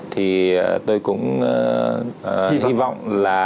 thì tôi cũng hy vọng là